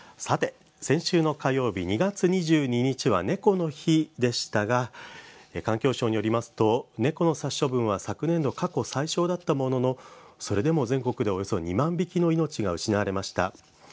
先週の火曜日、２月２２日は猫の日でしたが環境省によりますと猫の殺処分は昨年度、過去最少だったもののそれでも全国でおよそ２万匹の命が失われました。